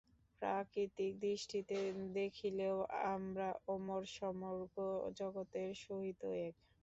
প্রাকৃতিক দৃষ্টিতে দেখিলেও আমরা অমর, সমগ্র জগতের সহিত এক।